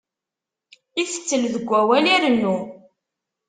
Itettel deg awal irennu.